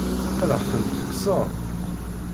Ad aɣ-tent-tekkseḍ?